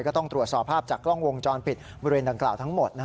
ก็ต้องตรวจสอบภาพจากกล้องวงจรปิดบริเวณดังกล่าวทั้งหมด